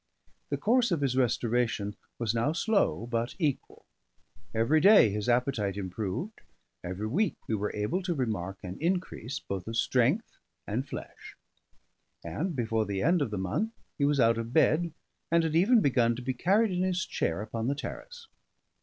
The course of his restoration was now slow, but equal; every day his appetite improved; every week we were able to remark an increase both of strength and flesh; and before the end of the month he was out of bed and had even begun to be carried in his chair upon the terrace.